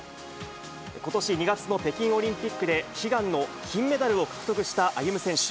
ことし２月の北京オリンピックで、悲願の金メダルを獲得した歩夢選手。